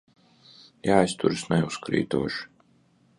Jāizturas neuzkrītoši.